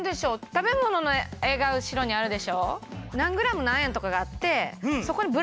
食べ物の絵が後ろにあるでしょ？